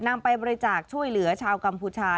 นำไปบริจาคช่วยเหลือชาวกัมพูชา